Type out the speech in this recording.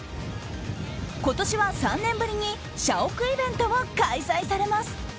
今年は３年ぶりに社屋イベントも開催されます！